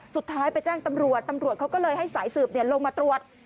สุดท้ายไปแจ้งตำรวจตำรวจเขาก็เลยให้สายสืบลงมาตรวจ